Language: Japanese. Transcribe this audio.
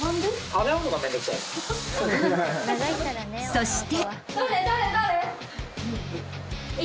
［そして］